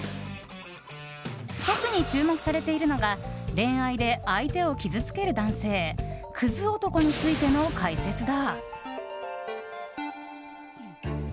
特に注目されているのが恋愛で相手を傷つける男性クズ男についての解説だ。